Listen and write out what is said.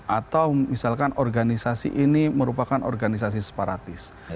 atau misalkan organisasi ini merupakan organisasi separatis